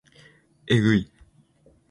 えぐい